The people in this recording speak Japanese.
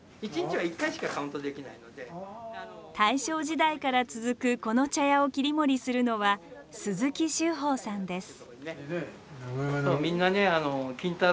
大正時代から続くこの茶屋を切り盛りするのは鈴木秀峰さんです。